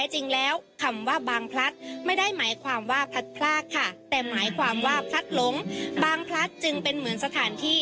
หมายความว่าพลัดหลงปางพลัดจึงเป็นเหมือนสถานที่